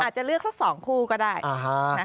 อาจจะเลือกสักสองคู่ก็ได้นะคะ